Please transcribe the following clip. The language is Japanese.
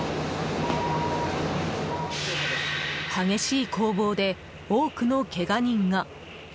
激しい攻防で多くのけが人が。